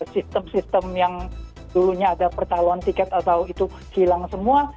sistem sistem yang dulunya ada percaloan tiket atau itu hilang semua